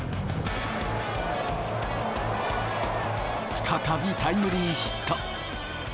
再びタイムリーヒット。